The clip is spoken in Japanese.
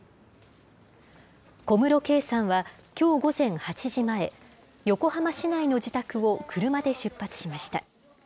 小室圭さんは、きょう午前８時前、横浜市内の自宅を車で出発しました。